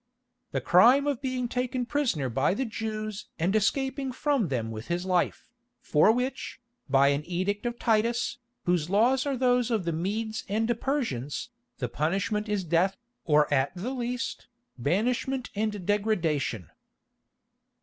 "The crime of being taken prisoner by the Jews and escaping from them with his life, for which, by an edict of Titus, whose laws are those of the Medes and Persians, the punishment is death, or at the least, banishment and degradation."